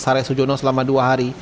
sare sujono selama dua hari